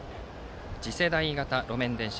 次世代型路面電車。